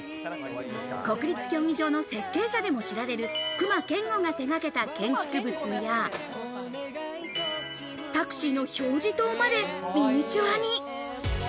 国立競技場の設計者でも知られる隈研吾が手がけた建築物や、タクシーの表示灯までミニチュアに。